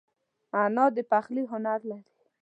انا د پخلي هنر لري